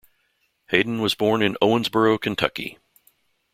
Hayden was born in Owensboro, Kentucky.